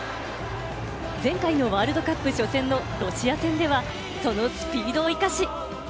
前回のワールドカップ初戦のロシア戦では、そのスピードを生かし。